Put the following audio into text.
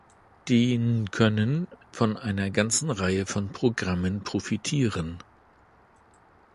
Die Nkönnen von einer ganzen Reihe von Programmen profitieren.